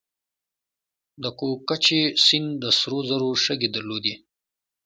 د کوکچې سیند د سرو زرو شګې درلودې